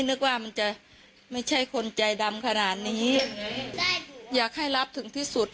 นึกว่ามันจะไม่ใช่คนใจดำขนาดนี้อยากให้รับถึงที่สุด